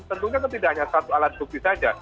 tentunya kan tidak hanya satu alat bukti saja